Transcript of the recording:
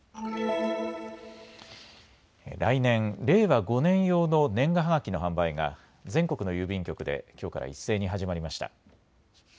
来年、令和５年用の年賀はがきの販売が全国の郵便局できょうから一斉に始まりました。